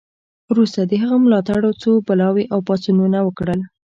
وروسته د هغه ملاتړو څو بلواوې او پاڅونونه وکړل.